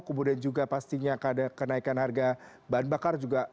kemudian juga pastinya kenaikan harga bahan bakar juga